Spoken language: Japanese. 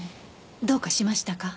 どうかしましたか？